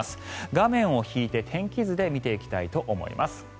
画面を引いて、天気図で見ていきたいと思います。